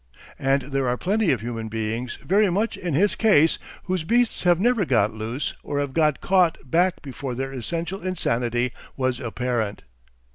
And there are plenty of human beings very much in his case, whose beasts have never got loose or have got caught back before their essential insanity was apparent.